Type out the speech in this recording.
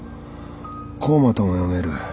コーマとも読める